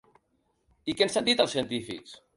I què ens han dit els científics?